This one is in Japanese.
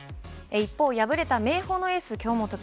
一方、敗れた明豊のエース京本君。